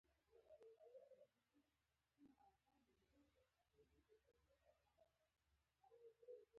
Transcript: رسنیو او شنونکو له نظره پټې پاتې شوې ساحې یې مطرح کړې.